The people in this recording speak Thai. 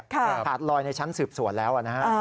ขาดลอยในชั้นสืบสวนแล้วนะฮะ